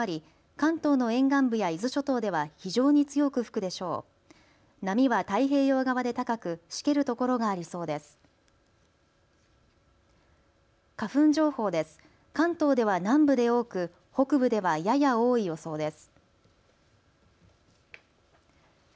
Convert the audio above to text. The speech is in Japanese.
関東では南部で多く北部ではやや多い予想です。